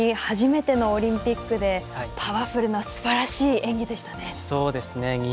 初めてのオリンピックでパワフルなすばらしい演技でした。